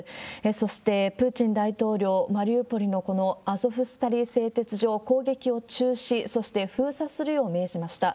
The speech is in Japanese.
そして、プーチン大統領、マリウポリのこのアゾフスタリ製鉄所攻撃を中止、そして封鎖するよう命じました。